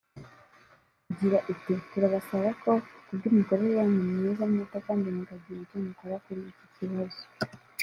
Igira iti “Turabasaba ko ku bw’imikorere yanyu myiza mwita kandi mukagira icyo mukora kuri iki kibazo